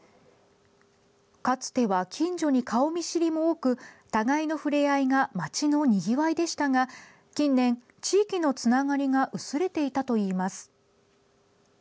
かつては、近所に顔見知りも多く互いの触れ合いが街のにぎわいでしたが近年、地域のつながりが薄れていたといいます。